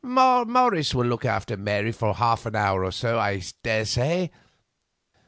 Morris will look after Mary for half an hour, I daresay."